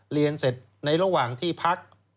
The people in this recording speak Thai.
เรียนเสร็จในระหว่างที่พัก